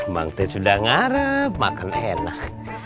bang teh sudah ngarep makan enak